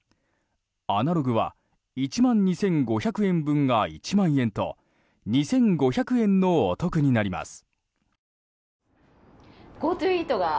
アナログは１万２５００円分が１万円と２５００円のお得になります。